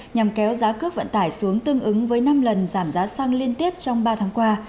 nhằm kéo giá cước vận tải xuống tương ứng với năm lần giảm giá xăng liên tiếp trong ba tháng qua